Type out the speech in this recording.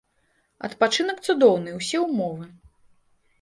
Адпачынак цудоўны, усе ўмовы.